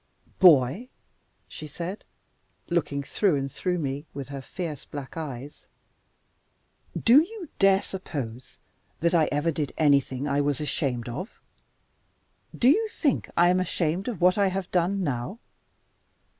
"Boy!" she said, looking through and through me with her fierce black eyes. "Do you dare suppose that I ever did anything that I was ashamed of? Do you think I am ashamed of what I have done now?